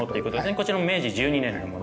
こちらも明治１２年のもの。